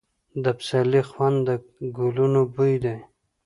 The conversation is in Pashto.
د پسرلي خوند د ګلونو بوی دی.